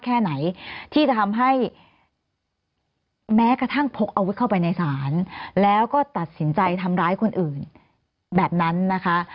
กระทั่งพกอาวุธเข้าไปในศาลแล้วก็ตัดสินใจทำร้ายคนอื่นแบบนั้นนะคะ